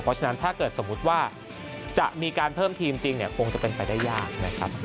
เพราะฉะนั้นถ้าเกิดสมมุติว่าจะมีการเพิ่มทีมจริงเนี่ยคงจะเป็นไปได้ยากนะครับ